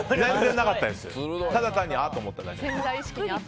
ただ単にああと思っただけで。